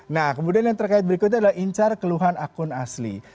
nah kemudian yang terkait berikutnya adalah incar keluhan akun asli